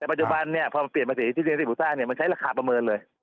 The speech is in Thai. ในปัจจุบันพอเปลี่ยนปฏิหิตดินที่ปลูกสร้างมันใช้ราคาประเมินเลย